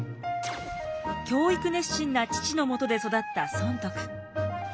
教育熱心な父のもとで育った尊徳。